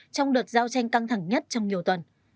trong đợt giao tranh căng thẳng nhất trong nhiều tuần